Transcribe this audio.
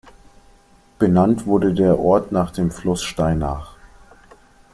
Benannt wurde der Ort nach dem Fluss Steinach.